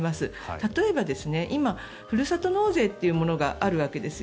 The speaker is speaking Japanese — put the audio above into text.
例えば今ふるさと納税というものがあるわけです。